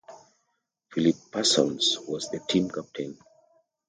Phillip Parsons was the team captain.